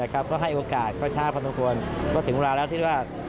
ก็ให้โอกาสก็ช้าพอสมควรก็ถึงเวลาแล้วที่ว่า